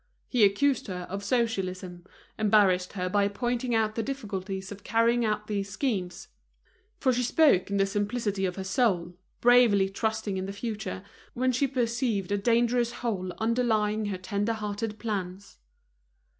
He accused her of socialism, embarrassed her by pointing out the difficulties of carrying out these schemes; for she spoke in the simplicity of her soul, bravely trusting in the future, when she perceived a dangerous hole underlying her tender hearted plans.